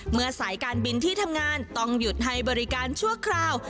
สายการบินที่ทำงานต้องหยุดให้บริการชั่วคราว